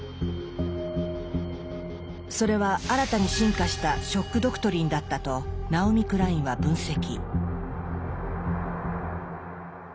それは新たに進化した「ショック・ドクトリン」だったとナオミ・クラインは分析。